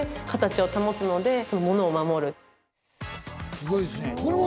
すごいですね。